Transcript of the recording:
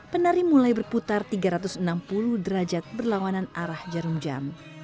penari mulai berputar tiga ratus enam puluh derajat berlawanan arah jarum jam